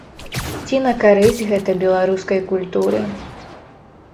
Ці на карысць гэта беларускай культуры?